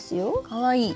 かわいい。